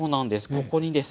ここにですね